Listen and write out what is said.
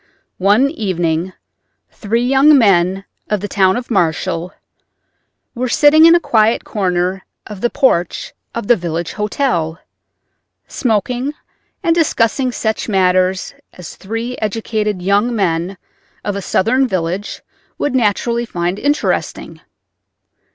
One evening three young men of the town of Marshall were sitting in a quiet corner of the porch of the village hotel, smoking and discussing such matters as three educated young men of a Southern village would naturally find interesting.